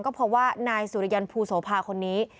ก็เพราะว่านายสุริยันภูโสภาคนนี้